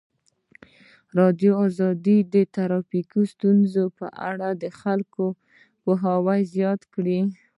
ازادي راډیو د ټرافیکي ستونزې په اړه د خلکو پوهاوی زیات کړی.